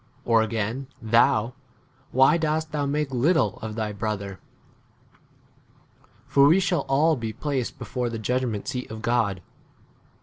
or again, thou, why dost thou make little of thy brother ? for we shall all be placed before 11 the judgment seat of God.